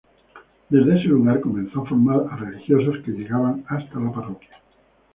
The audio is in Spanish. Desde ese lugar, comenzó a formar a religiosos que llegaban hasta la parroquia.